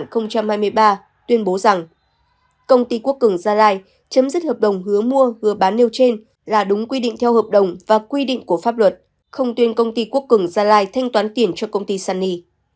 công ty quốc cường gia lai chấm dứt hợp đồng hứa mua hứa bán nêu trên là đúng quy định theo hợp đồng và quy định của pháp luật không tuyên công ty quốc cường gia lai thanh toán tiền cho công ty sunny